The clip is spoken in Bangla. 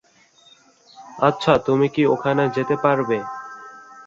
তিনি তার সময়কালে অন্যতম প্রতিশ্রুতিশীল ইংরেজ ব্যাটসম্যানরূপে আবির্ভূত হন।